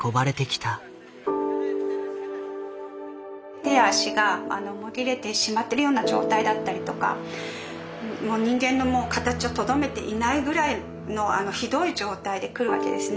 手や足がもぎれてしまってるような状態だったりとかもう人間の形をとどめていないぐらいのひどい状態で来るわけですね。